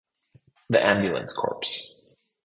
The Ambulance Corps.